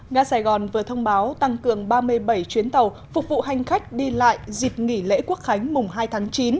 nga sài gòn vừa thông báo tăng cường ba mươi bảy chuyến tàu phục vụ hành khách đi lại dịp nghỉ lễ quốc khánh mùng hai tháng chín